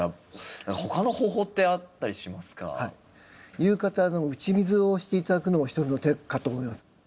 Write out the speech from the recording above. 夕方打ち水をして頂くのも一つの手かと思います。